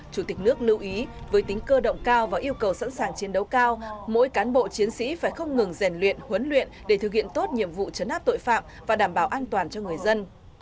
chủ tịch nước lưu ý với tính cơ động cao và yêu cầu sẵn sàng chiến đấu cao mỗi cán bộ chiến sĩ phải không ngừng rèn luyện huấn luyện để thực hiện tốt nhiệm vụ chấn áp tội phạm và đảm bảo an toàn cho người dân